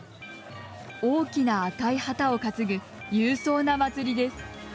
大きな赤い旗を担ぐ勇壮な祭りです。